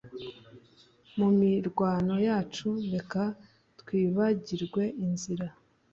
mu mirwano yacu reka twibagirwe inzira